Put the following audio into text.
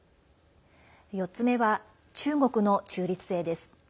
４つ目は中国の中立性です。